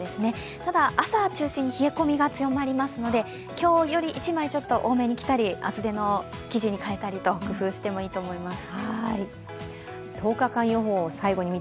ただ、朝を中心に冷え込みが強まりますので今日より一枚ちょっと多めに着たり厚手の生地に工夫してもいい思います。